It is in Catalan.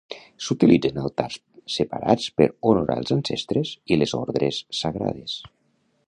S"utilitzen altars separats per honorar els ancestres i les ordres sagrades.